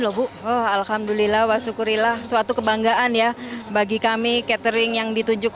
loh bu alhamdulillah wa syukurillah suatu kebanggaan ya bagi kami catering yang ditunjuk